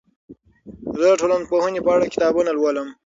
زه د ټولنپوهنې په اړه کتابونه لولم.